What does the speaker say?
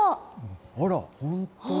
あら、本当だ。